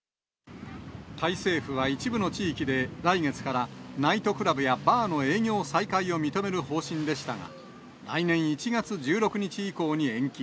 タイ政府は、一部の地域で来月からナイトクラブやバーの営業再開を認める方針でしたが、来年１月１６日以降に延期。